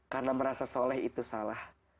karena merasa soleh itu salah